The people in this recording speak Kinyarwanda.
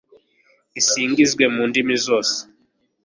isingizwe mu ndimi zose